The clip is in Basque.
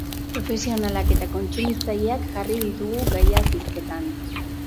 Profesionalak eta kontsumitzaileak jarri ditugu gaiaz hizketan.